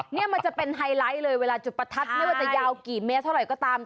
นี่มันจะเป็นไฮไลท์เลยเวลาจุดประทัดไม่ว่าจะยาวกี่เมตรเท่าไหร่ก็ตาม